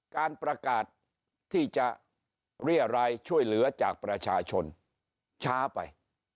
การประกาศที่จะเรียรายช่วยเหลือจากประชาชนช้าไป